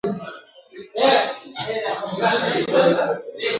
په لرغونو قامونو کي